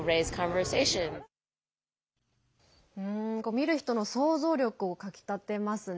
見る人の想像力をかきたてますね。